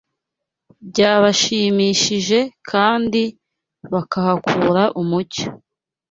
byabashimishije kandi bakahakura umucyo